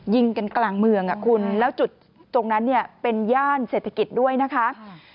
ยิงกันกลางเมืองอ่ะคุณแล้วจุดตรงนั้นเนี่ยเป็นย่านเศรษฐกิจด้วยนะคะ